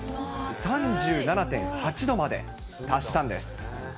３７．８度まで達したんです。